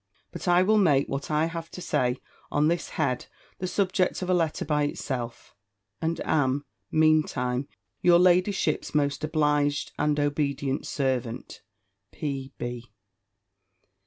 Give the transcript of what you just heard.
But I will make what I have to say on this head the subject of a letter by itself: and am, mean time, your ladyship's most obliged and obedient servant, P.